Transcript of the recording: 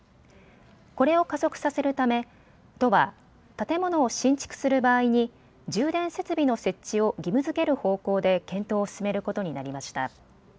これを加速させるため都は建物を新築する場合に充電設備の設置を義務づける方向で検討を進めることになりました。